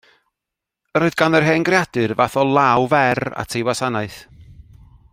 Yr oedd gan yr hen greadur fath o law fer at ei wasanaeth.